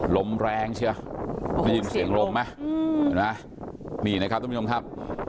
ลมแรงใช่ละเห็นเสียงลมไหมนี่นะครับทุกผู้ชมครับ